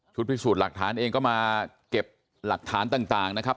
พิสูจน์หลักฐานเองก็มาเก็บหลักฐานต่างนะครับ